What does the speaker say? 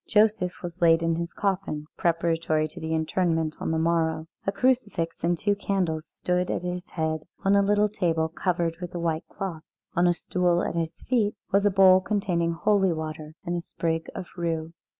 Joseph was laid in his coffin preparatory to the interment on the morrow. A crucifix and two candles stood at his head on a little table covered with a white cloth. On a stool at his feet was a bowl containing holy water and a sprig of rue.